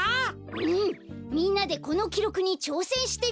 うんみんなでこのきろくにちょうせんしてみようよ。